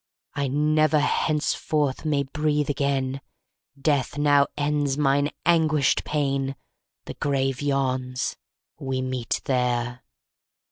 'I never, henceforth, may breathe again; Death now ends mine anguished pain. The grave yawns, we meet there.'